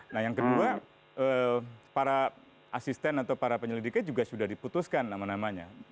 nah yang kedua para asisten atau para penyelidiknya juga sudah diputuskan nama namanya